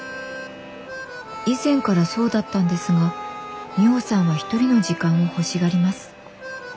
以前からそうだったんですがミホさんは一人の時間を欲しがります。